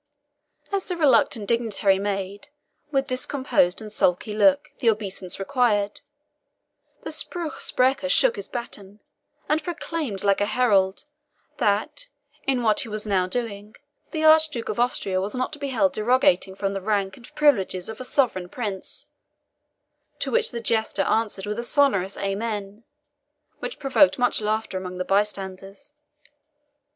As the reluctant dignitary made, with discomposed and sulky look, the obeisance required, the SPRUCH SPRECHER shook his baton, and proclaimed, like a herald, that, in what he was now doing, the Archduke of Austria was not to be held derogating from the rank and privileges of a sovereign prince; to which the jester answered with a sonorous AMEN, which provoked much laughter among the bystanders.